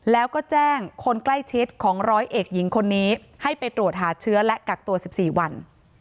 แล้วก็แจ้งคนใกล้ชิดของร้อยเอกหญิงคนนี้ให้ไปตรวจหาเชื้อและกักตัว๑๔วัน